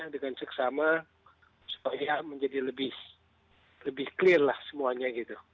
sama sama supaya menjadi lebih clear lah semuanya